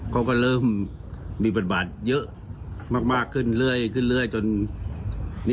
เขาก็เริ่มมีบทบาทเยอะมากขึ้นเรื่อยจน